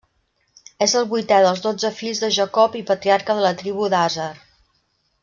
És el vuitè dels dotze fills de Jacob i patriarca de la tribu d'Aser.